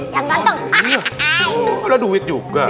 ini udah duit juga